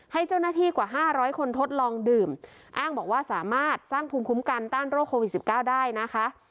ให้เจ้าหน้าที่กว่า๕๐๐คนทดลองดื่มอ้างบอกว่าสามารถสร้างภูมิคุ้มกันต้านโรคโควิด๑๙ได้นะคะ